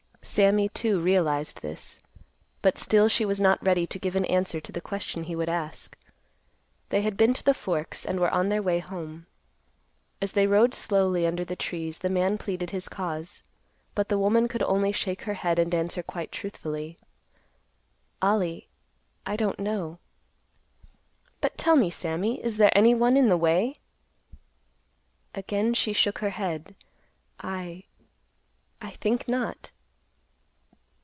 Sammy, too, realized this, but still she was not ready to give an answer to the question he would ask. They had been to the Forks, and were on their way home. As they rode slowly under the trees, the man pleaded his cause, but the woman could only shake her head and answer quite truthfully, "Ollie, I don't know." "But tell me, Sammy, is there any one in the way?" Again she shook her head, "I—I think not."